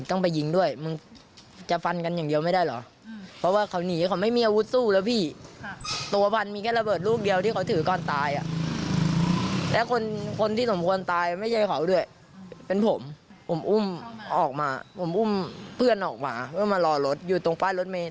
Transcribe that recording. ออกมาผมอุ้มเพื่อนออกมาเพื่อนมารอรถอยู่ตรงฝ้ายรถเมฆ